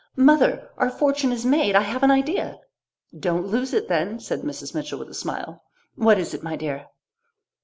"Mother, our fortune is made! I have an idea!" "Don't lose it, then," said Mrs. Mitchell with a smile. "What is it, my dear?"